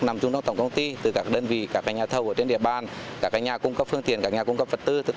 nằm trung tâm tổng công ty từ các đơn vị các nhà thầu ở trên địa bàn các nhà cung cấp phương tiền các nhà cung cấp vật tư